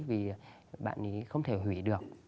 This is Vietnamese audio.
vì bạn ấy không thể hủy được